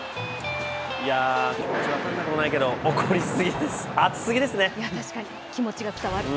気持ち、分からなくもないですけど怒りすぎ、熱すぎですね。